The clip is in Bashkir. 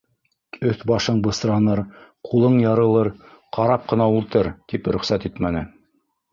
Өҫ-башың бысраныр, ҡулың ярылыр, ҡарап ҡына ултыр! — тип рөхсәт итмәне.